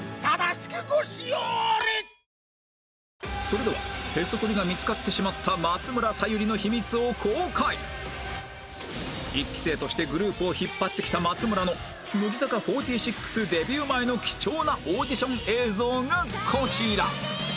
それではへそくりが見つかってしまった松村沙友理の１期生としてグループを引っ張ってきた松村の乃木坂４６デビュー前の貴重なオーディション映像がこちら